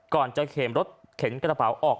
ก่อนจะเข็นรถเข็นกระเป๋าออก